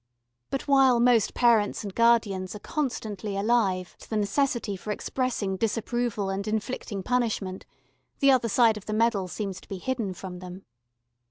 But while most parents and guardians are constantly alive to the necessity for expressing disapproval and inflicting punishment, the other side of the medal seems to be hidden from them.